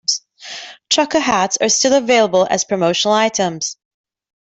Trucker hats are still available as promotional items.